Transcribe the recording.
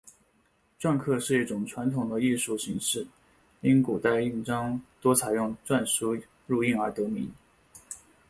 篆刻是一种传统的艺术形式，因古代印章多采用篆书入印而得名。